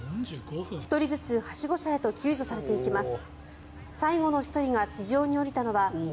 １人ずつはしご車へと救助されていきます。